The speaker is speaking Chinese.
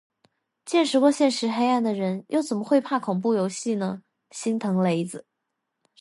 见识过现实黑暗的人，又怎么会怕恐怖游戏呢，心疼雷子